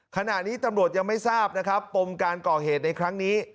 ขณะนี้ตำรวจยังไม่ทราบนะครับปมการก่อเหตุในครั้งนี้